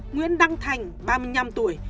nguyễn đăng thành ba mươi năm tuổi